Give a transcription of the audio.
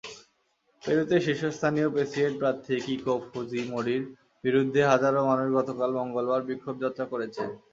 পেরুতে শীর্ষস্থানীয় প্রেসিডেন্ট প্রার্থী কিকো ফুজিমোরির বিরুদ্ধে হাজারো মানুষ গতকাল মঙ্গলবার বিক্ষোভযাত্রা করেছেন।